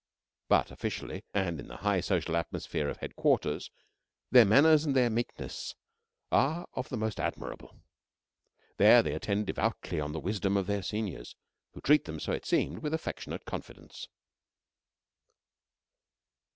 But officially and in the high social atmosphere of Headquarters their manners and their meekness are of the most admirable. There they attend devoutly on the wisdom of their seniors, who treat them, so it seemed, with affectionate confidence.